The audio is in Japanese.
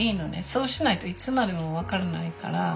そうしないといつまでも分からないから。